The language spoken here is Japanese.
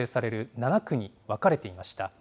７区に分かれていました。